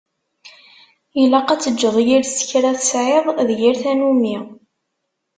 Ilaq ad teǧǧeḍ yir skra tesεiḍ d yir tannumi.